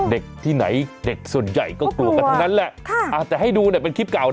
เด็กที่ไหนเด็กส่วนใหญ่ก็กลัวกันทั้งนั้นแหละก็กลัว